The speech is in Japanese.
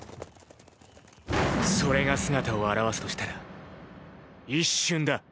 それが姿を現すとしたら一瞬だ。